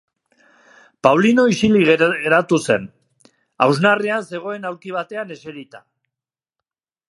Paulino isilik geratu zen, hausnarrean zegoen aulki batean eserita.